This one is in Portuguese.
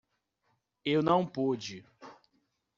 Eu não pude.